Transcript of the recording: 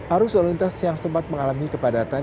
arus lalu lintas yang sempat mengalami kepadatan